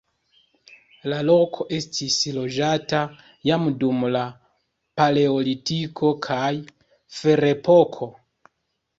La loko estis loĝata jam dum la paleolitiko kaj ferepoko.